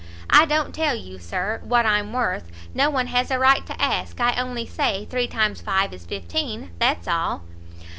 I don't tell you, Sir, what I'm worth; no one has a right to ask; I only say three times five is fifteen! that's all."